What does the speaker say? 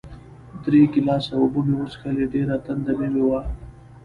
درې ګیلاسه اوبه مې وڅښلې، ډېره تنده مې وه.